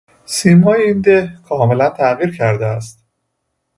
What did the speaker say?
سیمای این ده کاملاً تغییر کرده است.